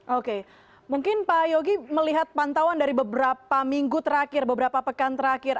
oke mungkin pak yogi melihat pantauan dari beberapa minggu terakhir beberapa pekan terakhir